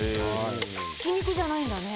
ひき肉じゃないんだね。